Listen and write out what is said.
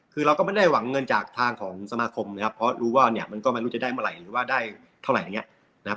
คือเราก็ไม่ได้หวังเงินจากทางของสมาคมนะครับเพราะรู้ว่าเนี่ยมันก็ไม่รู้จะได้เมื่อไหร่หรือว่าได้เท่าไหร่อย่างนี้นะครับ